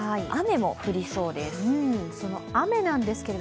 雨も降りそうです。